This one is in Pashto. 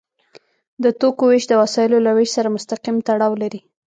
د توکو ویش د وسایلو له ویش سره مستقیم تړاو لري.